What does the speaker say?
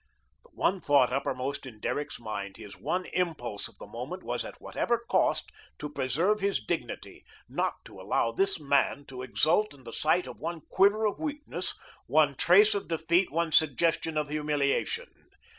The one thought uppermost in Derrick's mind, his one impulse of the moment was, at whatever cost, to preserve his dignity, not to allow this man to exult in the sight of one quiver of weakness, one trace of defeat, one suggestion of humiliation.